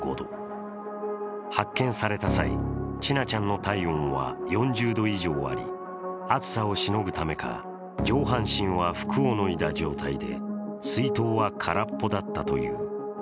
発見された際、千奈ちゃんの体温は４０度以上あり、暑さをしのぐためか上半身は服を脱いだ状態で水筒は空っぽだったという。